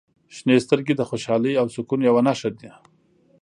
• شنې سترګې د خوشحالۍ او سکون یوه نښه دي.